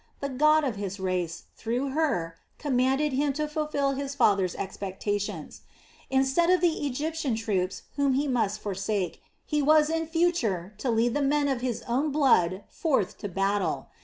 The God of his race, through her, commanded him to fulfil his father's expectations. Instead of the Egyptian troops whom he must forsake, he was in future to lead the men of his own blood forth to battle!